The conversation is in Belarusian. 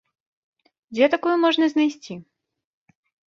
Дзе такую можна знайсці?